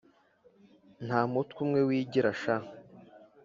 Ntamutwe umwe wigira sha